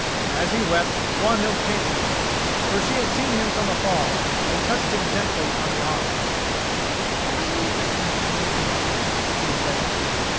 As he wept Swanhild came to him, for she had seen him from afar, and touched him gently on the arm. "Why weepest thou, Eric?" she said.